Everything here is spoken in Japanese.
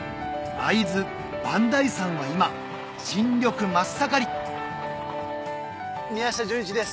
会津磐梯山は今新緑真っ盛り宮下純一です。